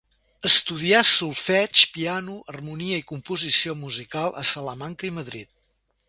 Estudià solfeig, piano, harmonia i composició musical a Salamanca i Madrid.